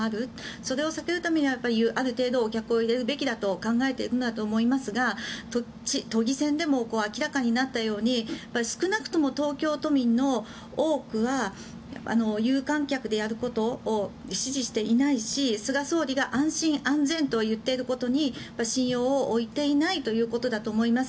それを避けるためにはある程度お客を入れるべきだと考えていると思いますが都議選でも明らかになったように少なくとも東京都民は有観客でやることを支持していないし菅総理が安心安全と言っていることに信用を置いていないということだと思います。